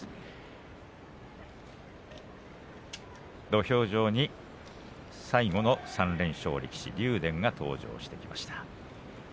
土俵上に最後の３連勝力士竜電が登場してきました。